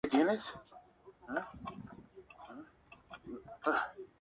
Su alcalde es Emilio C. Villas.